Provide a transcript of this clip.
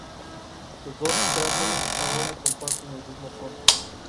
La poco ovada parte apical a veces muestra márgenes dentados.